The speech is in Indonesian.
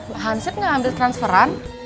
oh hansip gak ambil transferan